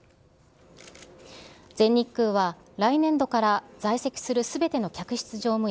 全日空は、来年度から在籍するすべての客室乗務員